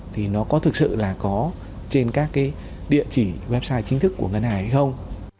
thì nó có thực sự là có trên các cái địa chỉ website chính thức của ngân hàng